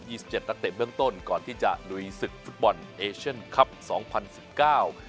สิบเจ็ดนักเตะเบื้องต้นก่อนที่จะลุยศึกฟุตบอลเอเชียนคลับสองพันสิบเก้า